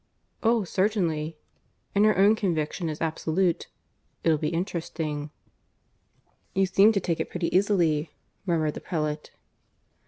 "Oh, certainly. And her own conviction is absolute. It'll be interesting." "You seem to take it pretty easily," murmured the prelate.